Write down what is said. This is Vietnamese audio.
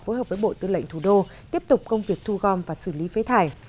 phối hợp với bộ tư lệnh thủ đô tiếp tục công việc thu gom và xử lý phế thải